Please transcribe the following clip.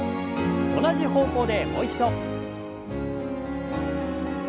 同じ方向でもう一度。